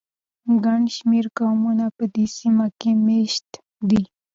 ګڼ شمېر قومونه په دې سیمه کې مېشت دي.